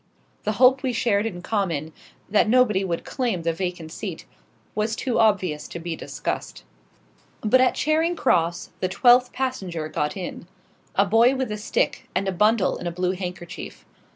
The hope we shared in common that nobody would claim the vacant seat was too obvious to be discussed. But at Charing Cross the twelfth passenger got in a boy with a stick, and a bundle in a blue handkerchief.